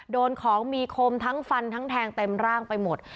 โดนของมีคมทั้งฟันทั้งแทงเต็มร่างไปหมด